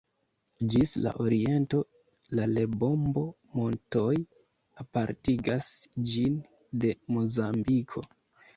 Ĝis la oriento la Lebombo-Montoj apartigas ĝin de Mozambiko.